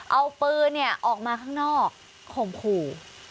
เอาปืนออกมาข้างนอกข่มขู่